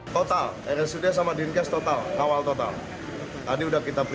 satya rencananya akan dirujuk ke rumah sakit hasan sadegin bandung